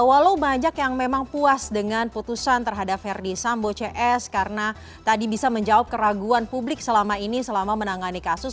walau banyak yang memang puas dengan putusan terhadap verdi sambo cs karena tadi bisa menjawab keraguan publik selama ini selama menangani kasus